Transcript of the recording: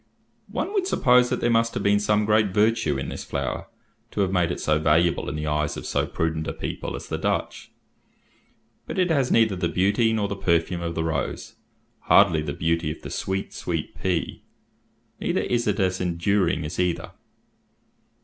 One would suppose that there must have been some great virtue in this flower to have made it so valuable in the eyes of so prudent a people as the Dutch; but it has neither the beauty nor the perfume of the rose hardly the beauty of the "sweet, sweet pea;" neither is it as enduring as either.